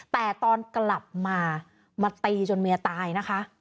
แต่ตอนกลับมามาตีจนเมียตายนะคะ